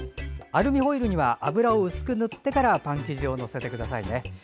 アルミホイルには油を薄く塗ってからパン生地を載せてくださいね。